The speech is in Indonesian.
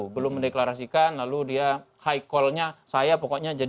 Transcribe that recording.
belum mendeklarasikan lalu dia high callnya saya pokoknya jadi